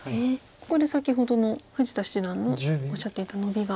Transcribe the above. ここで先ほどの富士田七段のおっしゃっていたノビがあるかどうかですか。